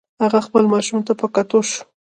هغه خپل ماشوم ته په کتو شو.